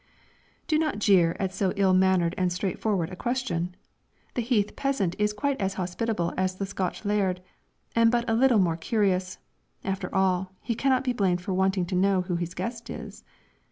Do not jeer at so ill mannered and straightforward a question! the heath peasant is quite as hospitable as the Scotch laird, and but a little more curious; after all, he cannot be blamed for wanting to know who his guest is.